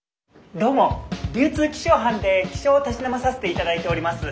どうも流通気象班で気象をたしなまさせていただいております